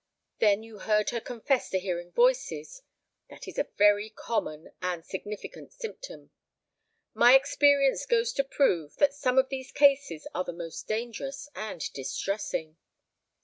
Then you heard her confess to hearing voices; that is a very common and significant symptom. My experience goes to prove that some of these cases are the most dangerous and distressing."